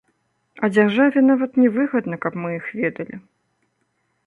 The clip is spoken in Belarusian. А дзяржаве нават не выгадна, каб мы іх ведалі.